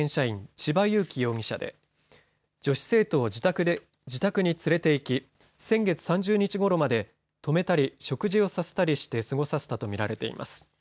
千葉裕生容疑者で女子生徒を自宅に連れていき先月３０日ごろまで泊めたり食事をさせたりして過ごさせたとみられています。